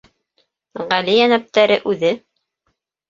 Ғәли йәнәптәре үҙе.